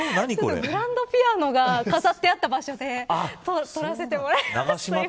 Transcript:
グランドピアノが飾ってあった場所で撮らせてもらって。